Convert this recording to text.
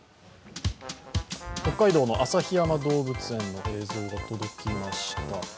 北海道の旭山動物園の映像が届きました。